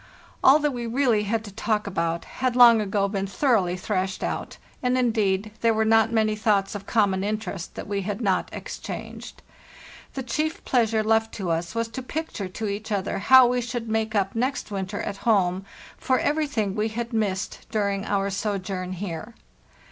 All that we really had to talk about had long ago been thoroughly thrashed out, and, indeed, there were not many thoughts of com mon interest that we had not exchanged. The chief pleasure left to us was to picture to each other how we should make up next winter at home for everything we had missed during our sojourn here.